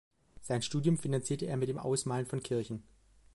Sein Studium finanzierte er mit dem Ausmalen von Kirchen.